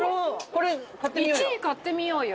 これ買ってみようよ。